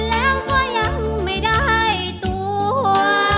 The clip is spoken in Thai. แล้วก็ยังไม่ได้ตัว